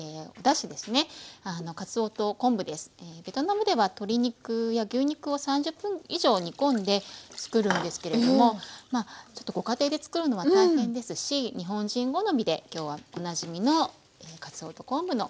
ベトナムでは鶏肉や牛肉を３０分以上煮込んで作るんですけれどもちょっとご家庭で作るのは大変ですし日本人好みで今日はおなじみのかつおと昆布のだしを使っています。